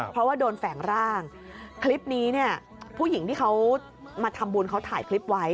เพราะว่าโดนแฝงร่างคลิปนี้เนี่ยผู้หญิงที่เขามาทำบุญเขาถ่ายคลิปไว้